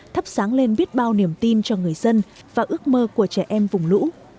thắp sáng lên biết bao niềm tin cho người dân và ước mơ của trẻ em vùng lũ